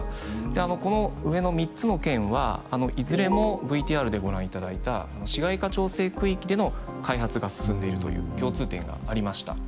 であのこの上の３つの県はいずれもＶＴＲでご覧いただいた市街化調整区域での開発が進んでいるという共通点がありました。